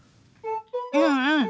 うんうん。